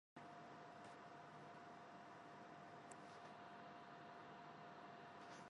あいのままにわがままにぼくはきみだけをきずつけない